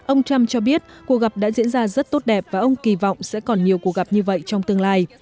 ông trump cho biết cuộc gặp đã diễn ra rất tốt đẹp và ông kỳ vọng sẽ còn nhiều cuộc gặp như vậy trong tương lai